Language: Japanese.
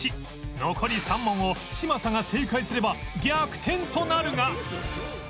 残り３問を嶋佐が正解すれば逆転となるが